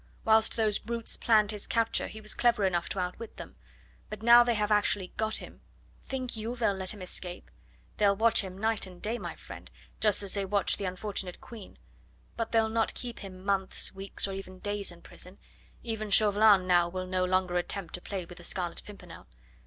Whilst those brutes planned his capture he was clever enough to outwit them, but now they have actually got him, think you they'll let him escape? They'll watch him night and day, my friend, just as they watched the unfortunate Queen; but they'll not keep him months, weeks, or even days in prison even Chauvelin now will no longer attempt to play with the Scarlet Pimpernel.